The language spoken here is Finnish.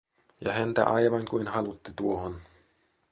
Ja häntä aivan kuin halutti tuohon.